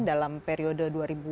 dalam periode dua ribu